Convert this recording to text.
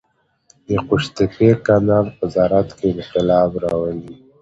د قوشتېپې کانال په زراعت کې انقلاب راولي.